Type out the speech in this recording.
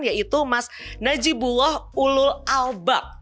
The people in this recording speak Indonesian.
yaitu mas najibullah ulul albaq